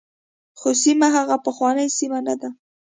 خو سیمه هغه پخوانۍ سیمه نه ده.